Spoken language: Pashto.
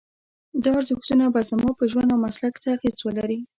دا ارزښتونه به زما په ژوند او مسلک څه اغېز ولري؟